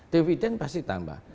dividen pasti tambah